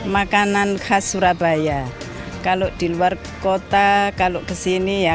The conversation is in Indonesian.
makanan khas surabaya kalau di luar kota kalau kesini ya